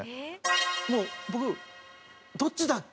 もう僕どっちだっけ？